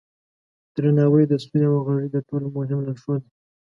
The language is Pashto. درناوی د سولې او همغږۍ تر ټولو مهم لارښود دی.